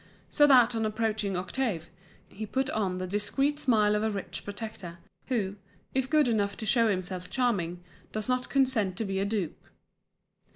So that on approaching Octave he put on the discreet smile of a rich protector, who, if good enough to show himself charming, does not consent to be a dupe.